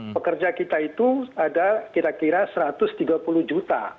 pekerja kita itu ada kira kira rp seratus juta